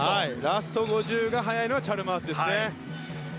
ラスト５０が速いのはチャルマースですね。